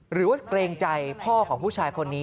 หรือว่าเกรงใจพ่อของผู้ชายคนนี้